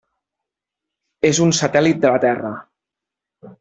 És un satèl·lit de la Terra.